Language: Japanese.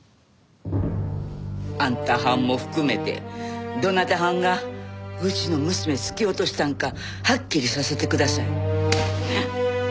あんたはんも含めてどなたはんがうちの娘突き落としたんかはっきりさせてください。